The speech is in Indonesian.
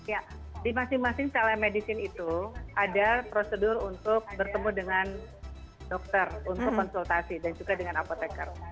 ya di masing masing telemedicine itu ada prosedur untuk bertemu dengan dokter untuk konsultasi dan juga dengan apotekar